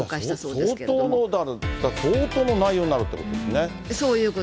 相当のだから、相当の内容になるということですね。